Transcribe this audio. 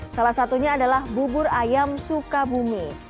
salah satunya adalah bubur ayam sukabumi